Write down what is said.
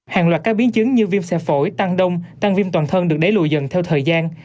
hàng loạt các biến chứng như viêm xe phổi tăng đông tăng viêm toàn thân được đẩy lùi dần theo thời gian